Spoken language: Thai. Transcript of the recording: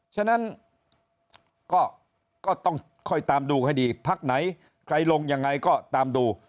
ฉะนั้นก็ต้องค่อยตามดูให้ดีพักไหนใครลงยังไงก็ตามดู